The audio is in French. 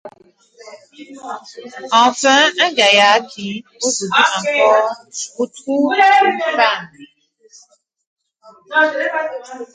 Enfin, un gaillard qui, aujourd'hui encore, vous trousse une femme.